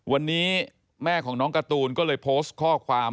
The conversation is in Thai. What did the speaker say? วันนี้แม่ของน้องการ์ตูนก็เลยโพสต์ข้อความ